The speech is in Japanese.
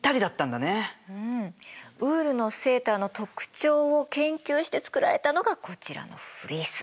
うんウールのセーターの特徴を研究して作られたのがこちらのフリース。